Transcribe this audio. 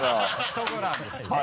そこなんですよ。